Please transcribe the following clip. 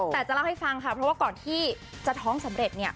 แต่จะเล่าให้ฟังค่ะเพราะว่าก่อนที่จะท้องสำเร็จ